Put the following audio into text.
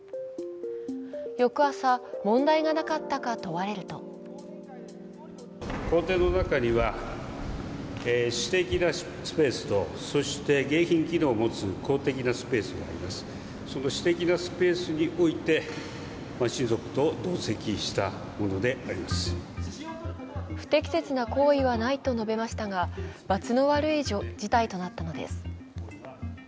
翌朝、問題がなかったか問われると不適切な行為はないと述べましたがバツの悪い事態となったのです。